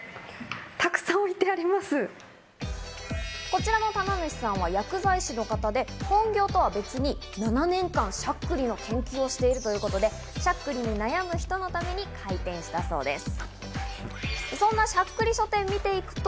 こちらの棚主さんは薬剤師の方で、本業とは別に７年間、しゃっくりの研究をしているということで、しゃっくりに悩む人のために開店したそうです。